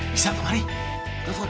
bisa mari telepon